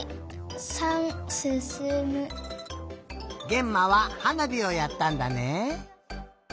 げんまははなびをやったんだね。